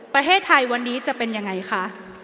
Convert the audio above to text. ประเทศไทยวันนี้จะเป็นยังไงคะ